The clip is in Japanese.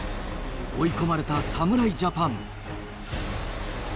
追い込まれた侍ジャパン。